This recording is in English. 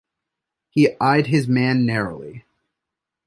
He eyed his man narrowly.